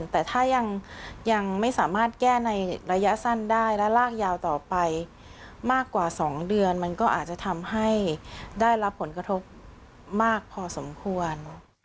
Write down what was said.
แต่ถ้ายังไม่สามารถแก้ในระยะสั้นได้และลากยาวต่อไปมากกว่า๒เดือนมันก็อาจจะทำให้ได้รับผลกระทบมากพอสมควร